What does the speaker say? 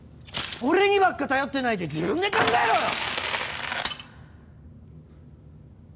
俺にばっか頼ってないで自分で考えろよ！